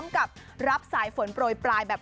กับรับสายฝนโปรยปลายแบบ